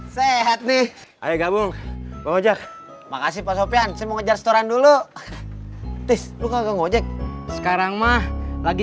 sampai jumpa di video selanjutnya